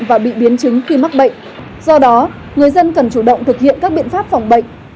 và bị biến chứng khi mắc bệnh do đó người dân cần chủ động thực hiện các biện pháp phòng bệnh